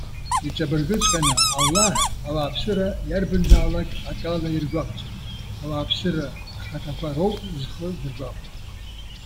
Иҵабыргыҵәҟьаны, Аллаҳ, ауааԥсыра иарбанзаалак акала иргәаҟӡом ауааԥсыра рхаҭақәа роуп зхы зыргәаҟуа.